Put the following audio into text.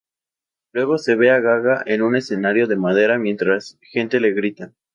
Luego se ve a Gaga en un escenario de madera mientras gente le grita.